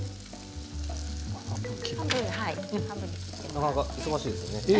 なかなか忙しいですよね